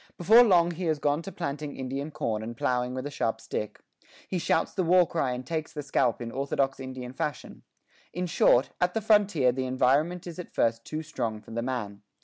Before long he has gone to planting Indian corn and plowing with a sharp stick; he shouts the war cry and takes the scalp in orthodox Indian fashion. In short, at the frontier the environment is at first too strong for the man.